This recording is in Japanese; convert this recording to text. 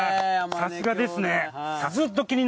さすがですね。